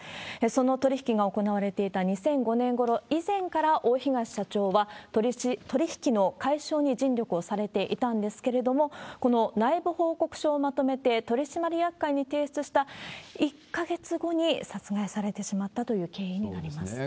その取り引きが行われていた２００５年ごろ以前から、大東社長は取り引きの解消に尽力をされていたんですけれども、この内部報告書をまとめて取締役会に提出した１か月後に殺害されそうですね。